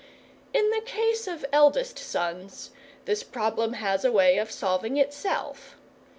In the case of eldest sons, this problem has a way of solving itself.